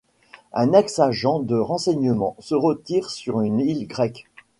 Un ex-agent de renseignements se retire sur une île grecque.